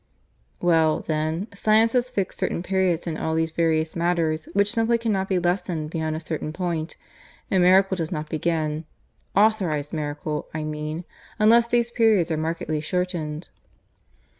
"Well, then, science has fixed certain periods in all these various matters which simply cannot be lessened beyond a certain point. And miracle does not begin authorized miracle, I mean unless these periods are markedly shortened.